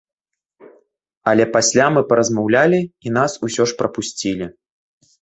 Але пасля мы паразмаўлялі, і нас усё ж прапусцілі.